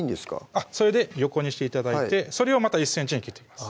あっそれで横にして頂いてそれをまた１ｃｍに切っていきます